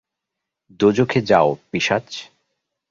দোযখে যাও, পিশাচ!